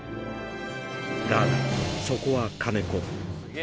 だが、そこは金子。